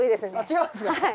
違うんですか？